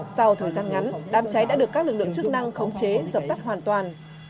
sau thời gian ngắn đám cháy đã được các lực lượng chức năng khống chế dập tắt hoàn toàn